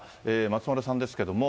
松丸さんですけれども。